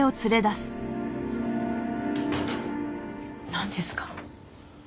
なんですか？